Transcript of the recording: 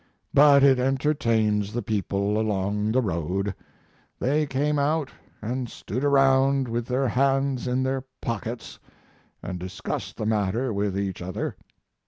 But it entertains the people along the road. They came out & stood around with their hands in their pockets & discussed the matter with each other.